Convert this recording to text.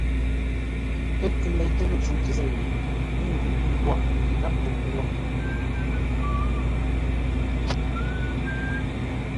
Ə́ kə́ leitə́ lə́ cûʼtə zêi ə́ ńgʉ́ ntwor yi gháp kə ghwo.